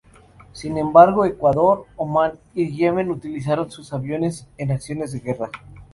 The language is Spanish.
Sin embargo, Ecuador, Omán y Yemen utilizaron sus aviones en acciones de guerra.